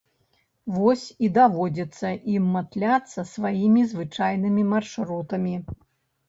Вось і даводзіцца ім матляцца сваімі звычайнымі маршрутамі.